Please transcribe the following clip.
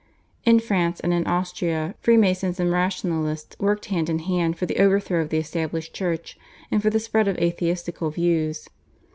In France and in Austria Freemasons and Rationalists worked hand in hand for the overthrow of the established Church and for the spread of atheistical views.